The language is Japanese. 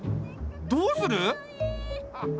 どうする？